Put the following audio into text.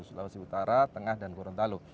sulawesi utara tengah dan gorontalo